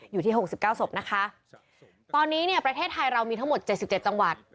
อยู่ที่หกสิบเก้าศพนะคะตอนนี้เนี่ยประเทศไทยเรามีทั้งหมดเจ็ดสิบเจ็ดจังหวัด